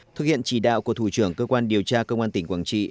thực hiện chỉ đạo của thủ trưởng cơ quan điều tra công an tỉnh quảng trị